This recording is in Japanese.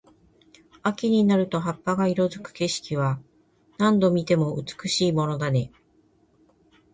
秋になると葉っぱが色付く景色は、何度見ても美しいものだね。